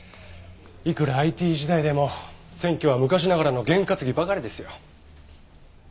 いくらＩＴ時代でも選挙は昔ながらの験担ぎばかりですよ。